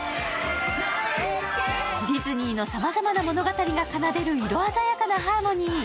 ディズニーのさまざまな物語がかなでる色鮮やかなハーモニー。